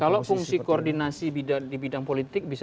kalau fungsi koordinasi di bidang politik bisa